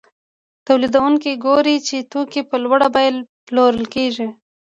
تولیدونکي ګوري چې توکي په لوړه بیه پلورل کېږي